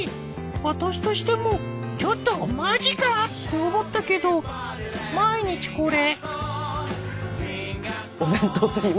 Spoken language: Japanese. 私としても「ちょっとマジか！？」って思ったけど毎日これ。